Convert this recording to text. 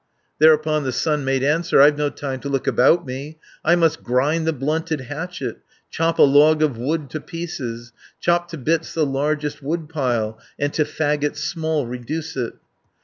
Thereupon the son made answer: "I've no time to look about me; I must grind the blunted hatchet, Chop a log of wood to pieces, 520 Chop to bits the largest wood pile, And to faggots small reduce it.